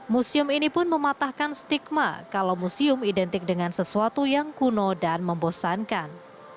museum ini pun mematahkan stigma kalau museum identik dengan sesuatu yang kuno dan membosankan